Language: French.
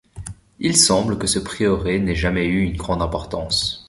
Il semble que ce prieuré n'ait jamais eu une grande importance.